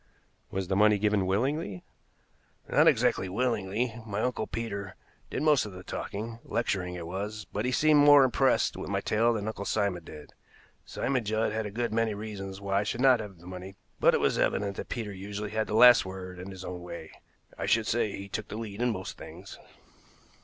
"Was the money given willingly?" "Not exactly willingly. My Uncle Peter did most of the talking lecturing it was but he seemed more impressed with my tale than Uncle Simon did. Simon Judd had a good many reasons why I should not have the money, but it was evident that Peter usually had the last word and his own way. I should say he took the lead in most things."